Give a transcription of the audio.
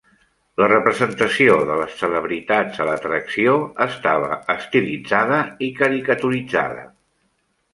La representació de les celebritats a l'atracció estava estilitzada i caricaturitzada.